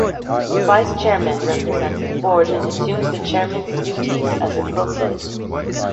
The vice chairman represents the Board and assumes the chairman's duties as appropriate.